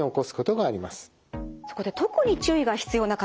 そこで特に注意が必要な方